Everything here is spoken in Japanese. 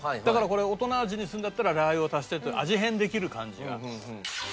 だからこれ大人味にするんだったらラー油を足してって味変できる感じが。